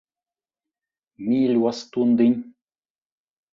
Mīļo stundiņ.